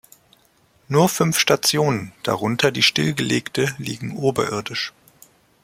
Nur fünf Stationen, darunter die stillgelegte, liegen oberirdisch.